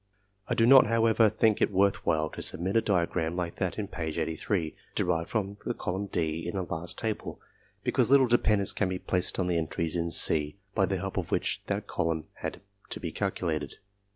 I do not, however, think it worth while to submit a diagram like that in p. 74, derived from the column D in the last table, because little dependence can be placed on the entries in C by the help of which that column had to be calculated.